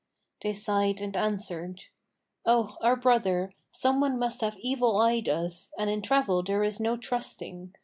They sighed and answered, 'O our brother, some one must have evileyed us, and in travel there is no trusting.